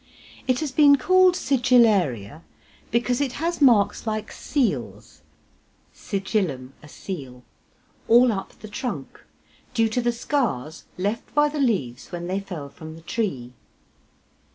It has been called Sigillaria, because it has marks like seals (sigillum, a seal) all up the trunk, due to the scars left by the leaves when they fell from the tree.